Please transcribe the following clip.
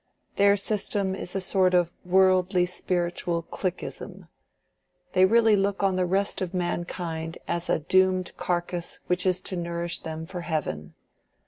Their system is a sort of worldly spiritual cliqueism: they really look on the rest of mankind as a doomed carcass which is to nourish them for heaven.